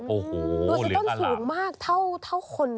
โอ้โหหรืออร่าดูสิต้นสูงมากเท่าคน